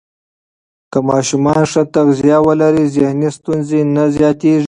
که ماشومان ښه تغذیه ولري، ذهني ستونزې نه زیاتېږي.